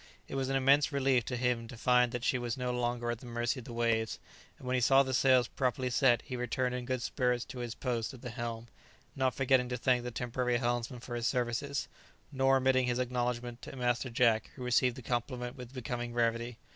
It was an immense relief to him to find that she was no longer at the mercy of the waves, and when he saw the sails properly set he returned in good spirits to his post at the helm, not forgetting to thank the temporary helmsman for his services, nor omitting his acknowledgment to Master Jack, who received the compliment with becoming gravity.